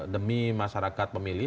demi masyarakat pemilih